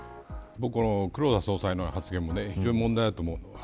黒田総裁の発言も非常に問題だと思う。